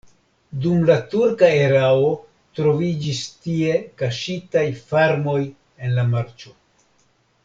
Dum la turka erao troviĝis tie kaŝitaj farmoj en la marĉo.